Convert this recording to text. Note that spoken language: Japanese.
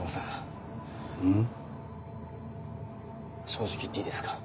正直言っていいですか？